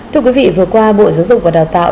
thưa quý vị vừa qua bộ giáo dục và đào tạo